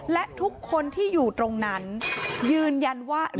และทุกคนที่อยู่ตรงนั้นยืนยันว่า